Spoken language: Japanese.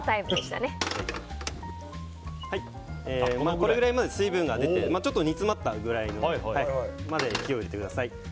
これぐらいまで水分が出てちょっと煮詰まったくらいまで火を入れてください。